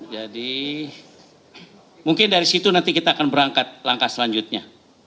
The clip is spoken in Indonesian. jadi mungkin dari situ nanti kita akan berangkat langkah selanjutnya